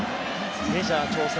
メジャー挑戦